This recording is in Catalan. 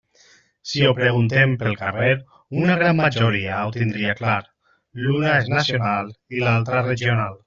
Si ho preguntem pel carrer, una gran majoria ho tindria clar: l'una és nacional i l'altra regional.